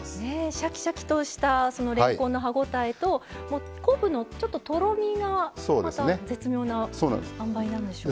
シャキシャキとしたれんこんの歯応えと昆布のとろみがまた絶妙なあんばいなんでしょうか。